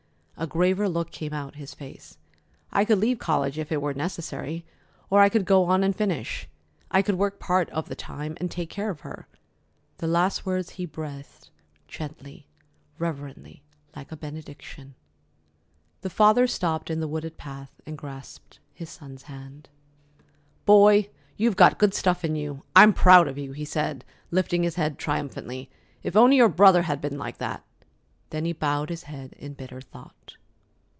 A graver look came out upon his face. "I could leave college, if it were necessary, or I could go on and finish. I could work part of the time and take care of her." The last words he breathed gently, reverently, like a benediction. The father stopped in the wooded path and grasped his son's hand. "Boy, you've got good stuff in you! I'm proud of you," he said, lifting his head triumphantly. "If only your brother had been like that!" Then he bowed his head in bitter thought.